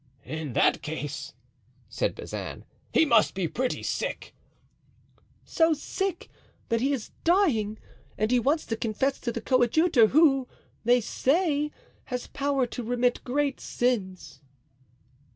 "In that case," said Bazin, "he must be pretty sick." "So sick that he is dying, and he wants to confess to the coadjutor, who, they say, has power to remit great sins."